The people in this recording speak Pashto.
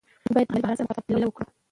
موږ باید له مالي بحران سره مقابله وکړو.